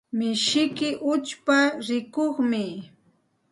Mishiyki uchpa rikuqmi.